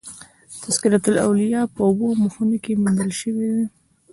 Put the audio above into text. تذکرة الاولیاء" په اوو مخونو کښي موندل سوى دئ.